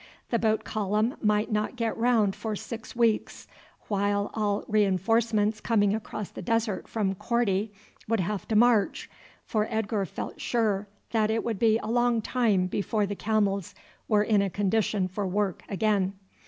The boat column might not get round for six weeks, while all reinforcements coming across the desert from Korti would have to march, for Edgar felt sure that it would be a long time before the camels were in a condition for work again.